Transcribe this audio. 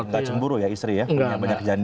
kita cemburu ya istri ya punya banyak janda